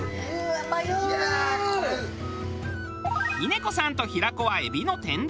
峰子さんと平子は海老の天丼。